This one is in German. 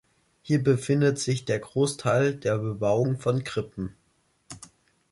Hier befindet sich der Großteil der Bebauung von Krippen.